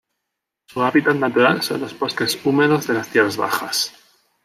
Su hábitat natural son los bosques húmedos de las tierras bajas.